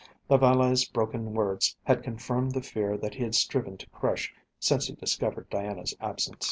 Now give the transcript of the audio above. The valet's broken words had confirmed the fear that he had striven to crush since he discovered Diana's absence.